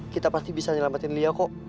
kita pasti bisa nyelamatin lia kok